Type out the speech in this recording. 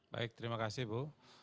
baik terima kasih bu